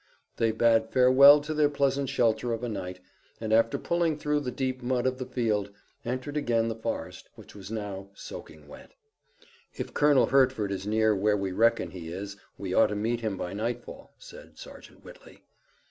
They bade farewell to their pleasant shelter of a night, and, after pulling through the deep mud of the field, entered again the forest, which was now soaking wet. "If Colonel Hertford is near where we reckon he is we ought to meet him by nightfall," said Sergeant Whitley.